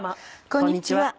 こんにちは。